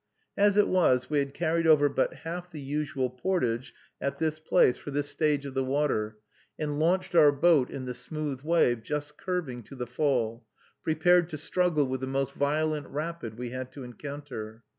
As it was, we had carried over but half the usual portage at this place for this stage of the water, and launched our boat in the smooth wave just curving to the fall, prepared to struggle with the most violent rapid we had to encounter.